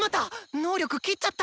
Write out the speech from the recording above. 能力切っちゃった！